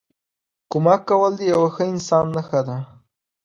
کمک کول د یوه ښه انسان نښه ده.